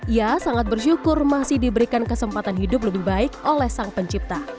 ia sangat bersyukur masih diberikan kesempatan hidup lebih baik oleh sang pencipta